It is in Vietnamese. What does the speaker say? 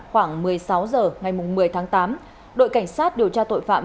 khoảng một mươi sáu h ngày một mươi tháng tám đội cảnh sát điều tra tội phạm